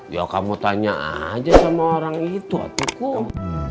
ya kamu tanya aja sama orang itu ati kum